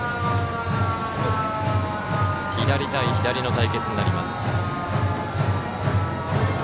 左対左の対決になります。